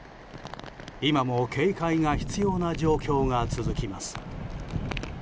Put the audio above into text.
今も警戒が必要な状況が続きます。